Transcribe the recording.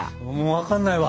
分かんないわ。